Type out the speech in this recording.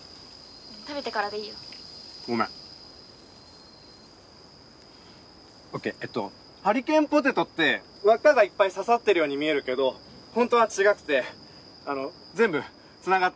食べてからでいいよ。ごめん。ＯＫえっとハリケーンポテトって輪っかがいっぱい刺さってるように見えるけどホントは違くてあの全部つながってて。